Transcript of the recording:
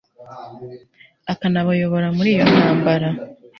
akanabayobora muri iyo ntambara